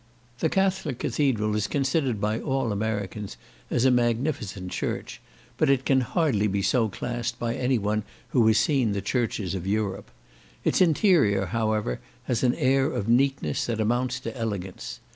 The Catholic Cathedral is considered by all Americans as a magnificent church, but it can hardly be so classed by any one who has seen the churches of Europe; its interior, however, has an air of neatness that amounts to elegance.